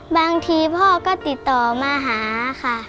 บางทีพ่อก็ติดต่อมาหาค่ะ